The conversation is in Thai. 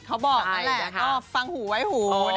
เขาบอกนั่นแหละก็ฟังหูไว้หู